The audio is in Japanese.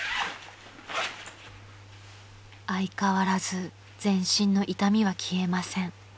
［相変わらず全身の痛みは消えません］